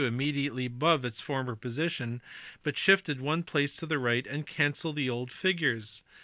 immediately above its former position but shifted one place to the right, and cancel the old figures.